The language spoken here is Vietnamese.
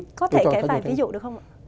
có thể cái bài ví dụ được không ạ